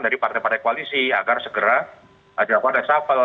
dari partai partai koalisi agar segera ada resapel